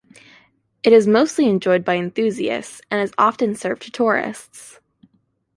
It is mostly enjoyed by enthusiasts, and is often served to tourists.